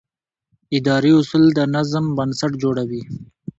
اداري اصول د نظم بنسټ جوړوي.